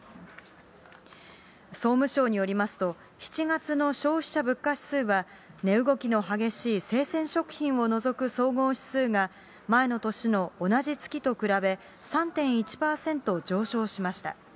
総務省によりますと、７月の消費者物価指数は、値動きの激しい生鮮食品をのぞく総合指数が前の年の同じ月と比べ３．１％上昇しました。